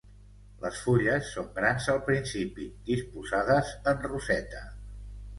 Les fulles són grans al principi, disposades en roseta.